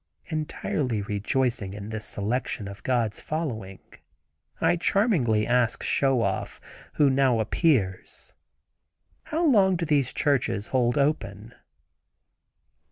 Entirely rejoicing in this selection of God's following, I charmingly ask Show Off, who now appears, "How long do these churches hold open?"